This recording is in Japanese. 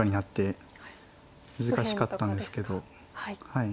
はい。